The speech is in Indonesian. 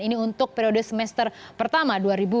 ini untuk periode semester pertama dua ribu enam belas